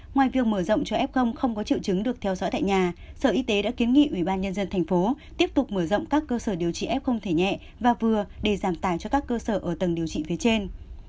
ngoài việc mở rộng cho f không có triệu chứng được theo dõi tại nhà sở y tế đã kiến nghị ủy ban nhân dân thành phố tiếp tục mở rộng các cơ sở điều trị f không thể nhẹ và vừa để giảm tài cho các cơ sở ở tầng điều trị phía trên